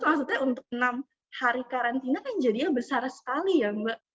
maksudnya untuk enam hari karantina kan jadinya besar sekali ya mbak